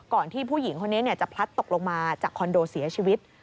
ที่ผู้หญิงคนนี้จะพลัดตกลงมาจากคอนโดเสียชีวิต